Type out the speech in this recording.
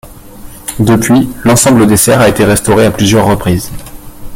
Depuis, l'ensemble des serres a été restauré à plusieurs reprises.